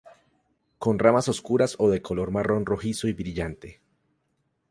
Con ramas oscuras o de color marrón rojizo y brillante.